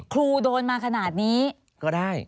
ครูโดนมาขนาดนี้